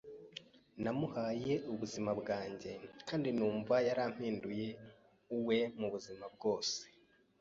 Namuhaye ubuzima bwanjye kandi numva yarampinduye uwe mu buzima bwose.